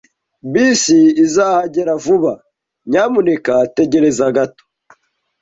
Bisi izahagera vuba. Nyamuneka tegereza gato.